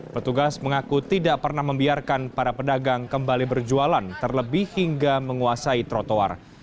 petugas mengaku tidak pernah membiarkan para pedagang kembali berjualan terlebih hingga menguasai trotoar